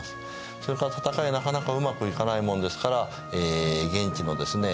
それから戦いがなかなかうまくいかないもんですから現地のですね